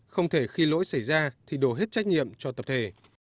không thể khi lỗi xảy ra thì đổ hết trách nhiệm cho tập thể